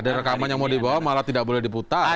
ada rekaman yang mau dibawa malah tidak boleh diputar